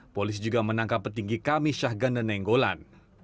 polisi juga menangkap petinggi kami syahganda nenggolan